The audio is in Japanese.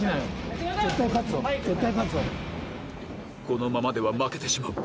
このままでは負けてしまう！